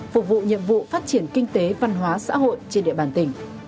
phục vụ nhiệm vụ phát triển kinh tế văn hóa xã hội trên địa bàn tỉnh